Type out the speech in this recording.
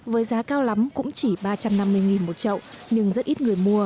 với giá cao lắm cũng chỉ ba trăm năm mươi một chậu nhưng rất ít người mua